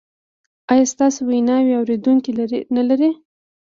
ایا ستاسو ویناوې اوریدونکي نلري؟